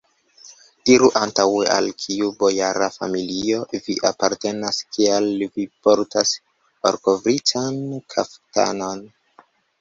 Diru antaŭe, al kiu bojara familio vi apartenas, kial vi portas orkovritan kaftanon?